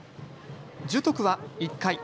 樹徳は１回。